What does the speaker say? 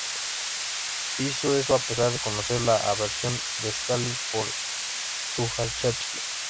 Hizo eso a pesar de conocer la aversión de Stalin por Tujachevski.